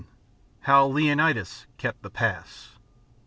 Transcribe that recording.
HOW LEONIDAS KEPT THE PASS.